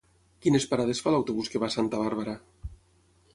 Quines parades fa l'autobús que va a Santa Bàrbara?